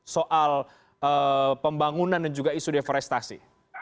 soal pembangunan dan juga isu deforestasi